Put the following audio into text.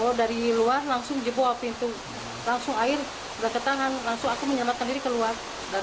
oh dari luar langsung jebol pintu langsung air berketangan langsung aku menyelamatkan diri keluar